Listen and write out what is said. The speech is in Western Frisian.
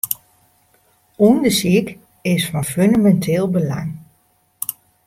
Undersyk is fan fûneminteel belang.